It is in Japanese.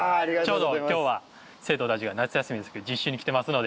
ちょうど今日は生徒たちが夏休みですけど実習に来てますので。